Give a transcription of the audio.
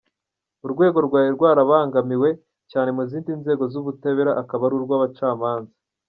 Urwego rwari rwarabangamiwe cyane mu zindi nzego z’ubutabera akaba ari urw’abacamanza.